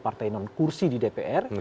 partai non kursi di dpr